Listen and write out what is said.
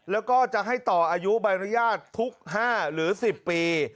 แล้วก็จะให้ต่ออายุใบอนุญาตทุก๕หรือ๑๐ปี